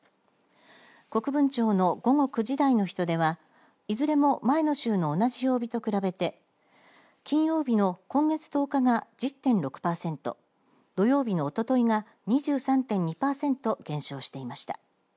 国分町の午後９時台の人出はいずれも前の週の同じ曜日と比べて金曜日の今月１０日が１０．６パーセント土曜日のおとといが２３．２パーセント減少していました。